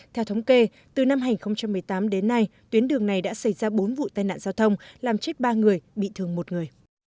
theo thống kê từ năm hai nghìn một mươi tám đến nay tuyến đường này đã xảy ra bốn vụ tai nạn giao thông làm chết ba người bị thương một người